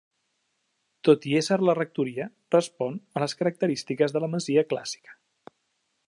Tot i ésser la rectoria, respon a les característiques de la masia clàssica.